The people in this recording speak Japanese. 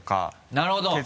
なるほど。